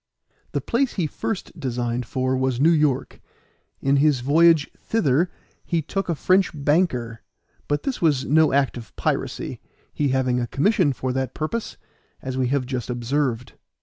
The place he first designed for was New York; in his voyage thither he took a French banker, but this was no act of piracy, he having a commission for that purpose, as we have just observed.